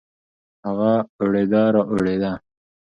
هغه اوړېده رااوړېده.